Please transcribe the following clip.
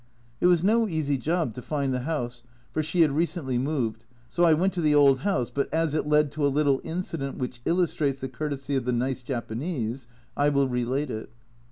It was no easy job to find the house, for she had recently moved, so I went to the old house, but as it led to a little incident which illustrates the courtesy of the nice Japanese, I will relate it.